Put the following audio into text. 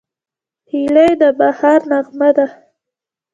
هیلۍ د بهار نغمه ده